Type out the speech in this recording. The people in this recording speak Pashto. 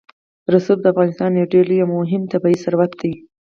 رسوب د افغانستان یو ډېر لوی او مهم طبعي ثروت دی.